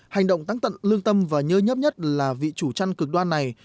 hành động tăng tận lương tâm và nhớ nhấp nhất là vị chủ trăn cực đoan này